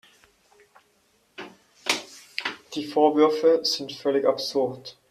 Die Vorwürfe sind völlig absurd.